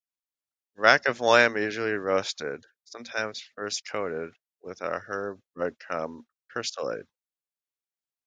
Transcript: Rack of lamb is usually roasted, sometimes first coated with a herbed breadcrumb persillade.